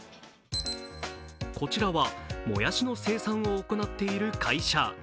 こちらはもやしの生産を行っている会社。